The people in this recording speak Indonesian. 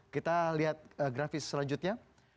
kita lihat grafis selanjutnya